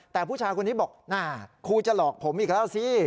แต่ผู้ชายคนนี้บอกครูจะหลอกผมอีกแล้วสิ